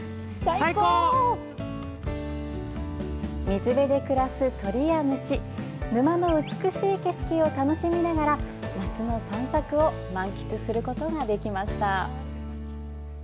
水辺で暮らす鳥や虫沼の美しい景色を楽しみながら夏の散策を満喫することができました。